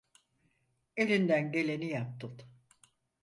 Elinden geleni yaptın.